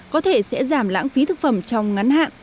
có thể sẽ giảm lãng phí thực phẩm trong ngắn hạn